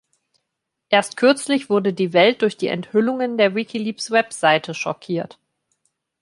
Erst kürzlich wurde die Welt durch die Enthüllungen der Wikileaks-Webseite schockiert.